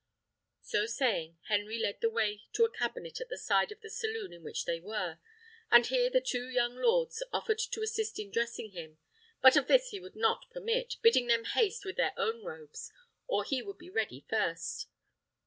So saying, Henry led the way to a cabinet at the side of the saloon in which they were; and here the two young lords offered to assist in dressing him, but of this he would not permit, bidding them haste with their own robes, or he would be ready first.